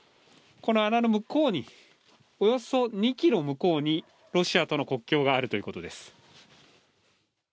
この穴の向こうに、およそ２ｋｍ向こうにロシアとの国境があるということです。